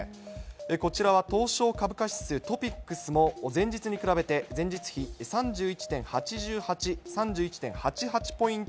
こちらは、東証株価指数・トピックスも前日に比べて、前日比３１．８８、３１．８８ポイント